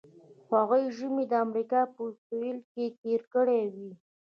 هغوی ژمی د امریکا په سویل کې تیر کړی وي